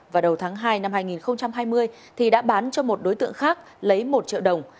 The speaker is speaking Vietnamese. vào đầu tháng hai năm hai nghìn hai mươi thì đã bán cho một đối tượng khác lấy một triệu đồng